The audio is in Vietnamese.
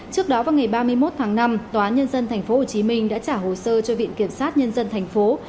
trước đó vào ngày ba mươi một tháng năm tòa nhân dân tp hcm đã trả hồ sơ cho viện kiểm sát nhân dân thành phố